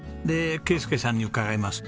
で圭祐さんに伺います。